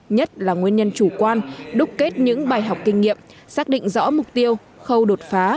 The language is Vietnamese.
nhất là nguyên nhân chủ quan đúc kết những bài học kinh nghiệm xác định rõ mục tiêu khâu đột phá